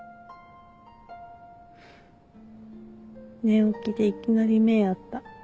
寝起きでいきなり目合った。